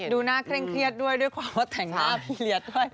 ดูหน้าเคร่งเครียดด้วยด้วยความว่าแต่งหน้าพีเรียสด้วย